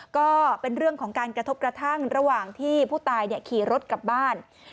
ก็เป็นเรื่องของการกระทบกระทั่งระหว่างที่ผู้ตายขี่รถกลับบ้าน